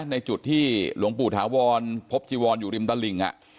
ในจุดที่หลวงปู่ถาวรพบจีวรอยู่ริมตลิ่ง